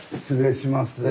失礼します。